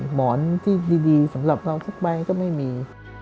หมอนที่ดีสำหรับเราทุกใบก็ไม่มี